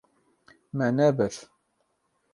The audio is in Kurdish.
Me nebir.